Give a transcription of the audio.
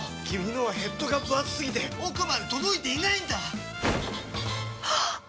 君のはヘッドがぶ厚すぎて奥まで届いていないんだっ！